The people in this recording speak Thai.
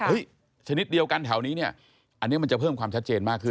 ชนิดเดียวกันแถวนี้เนี่ยอันนี้มันจะเพิ่มความชัดเจนมากขึ้น